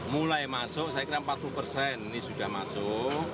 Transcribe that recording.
mulai masuk saya kira empat puluh persen ini sudah masuk